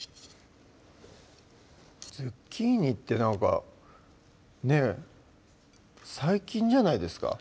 ズッキーニってなんかねぇ最近じゃないですか？